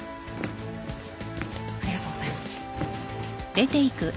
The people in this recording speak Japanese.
ありがとうございます。